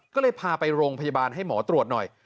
ก็เลยพาไปโรงพยาบาลให้หมอตรวจหน่อย